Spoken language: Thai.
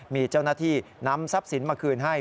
มีเจ้าหน้าที่นำทรัพย์สินมาคืนให้